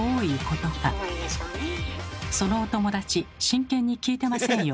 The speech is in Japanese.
そのお友達真剣に聞いてませんよ。